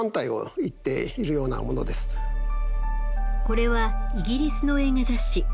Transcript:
これはイギリスの映画雑誌。